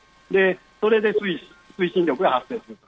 それで推進力が発生する。